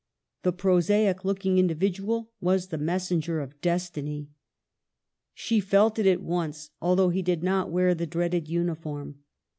This prosaic looking individual was^the messenger of destiny. She felt it at once, although he did not wear the dreaded uniform.